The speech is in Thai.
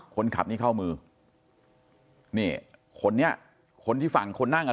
คนขับนี่เข้ามือนี่คนนี้คนที่ฝั่งคนนั่งอ่ะ